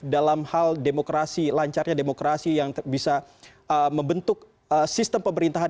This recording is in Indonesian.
dalam hal demokrasi lancarnya demokrasi yang bisa membentuk sistem pemerintahan